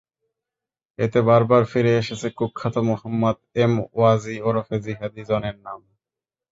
এতে বারবার ফিরে এসেছে কুখ্যাত মোহাম্মাদ এমওয়াজি ওরফে জিহাদি জনের নাম।